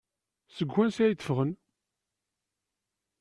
Seg wansi ay d-ffɣen?